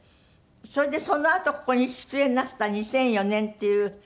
それでそのあとここに出演なすった２００４年っていう。